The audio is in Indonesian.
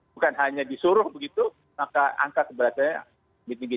bukan hanya disuruh begitu maka angka keberatannya lebih tinggi